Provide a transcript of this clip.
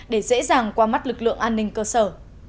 để dễ dàng qua mắt lực lượng an ninh cơ sở